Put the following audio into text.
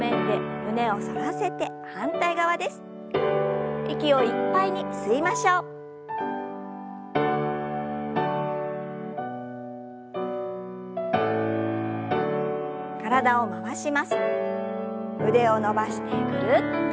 腕を伸ばしてぐるっと。